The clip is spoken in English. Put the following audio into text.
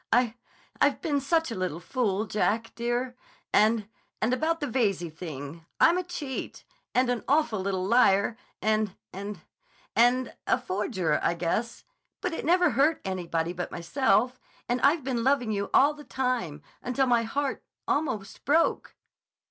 I—I've been such a little fool, Jack, dear. And—and about the Veyze thing—I'm a cheat—and an awful little liar—and—and—and—and a forger, I guess. But it never hurt anybody but myself—and I've been loving you all the time—until my heart—almost broke."